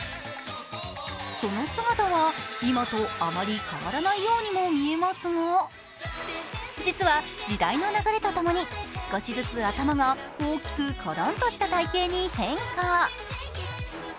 その姿は今とあまり変わらないようにも見えますが、実は時代の流れとともに、少しずつ頭が大きくコロンとした体形に変化。